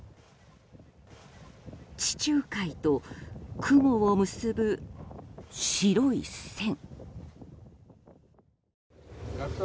地中海と雲を結ぶ、白い線。